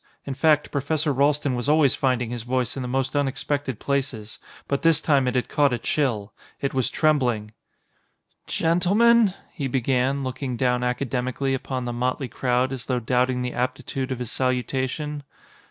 In fact, Professor Ralston was always finding his voice in the most unexpected places. But this time it had caught a chill. It was trembling. "Gentlemen," he began, looking down academically upon the motley crowd as though doubting the aptitude of his salutation.